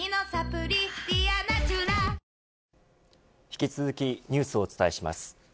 引き続きニュースをお伝えします。